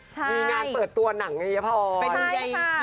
มีงานเปิดตัวหนังกันเยอะพอ